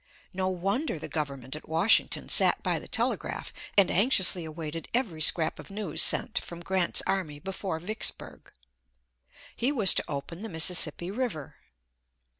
No wonder the government at Washington sat by the telegraph and anxiously awaited every scrap of news sent from Grant's army before Vicksburg. He was to open the Mississippi River.